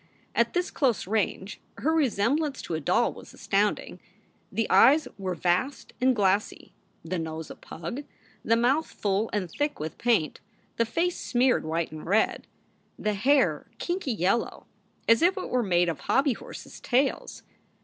At this close range her resemblance to a doll was astounding; the eyes were vast and glassy, the nose a pug, the mouth full and thick with paint, the face smeared white and red, the hair kinky yellow, as if it were made of hobby horses tails.